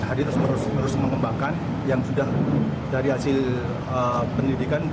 hadir terus mengembangkan yang sudah dari hasil penyelidikan